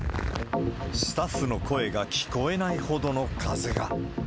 スタッフの声が聞こえないほどの風が。